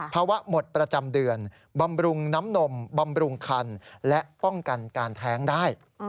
ภาวะหมดประจำเดือนบำรุงน้ำนมบำรุงคันและป้องกันการแท้งได้